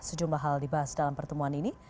sejumlah hal dibahas dalam pertemuan ini